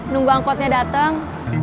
nunggu angkotnya datang